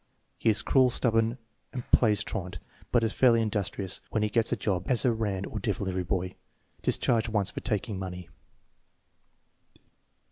He is cruel, stubborn, and plays truant, but is fairly industrious when he gets a job as errand or delivery boy. Discharged once for taking money.